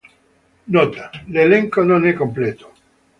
Nota: l'elenco non è completo.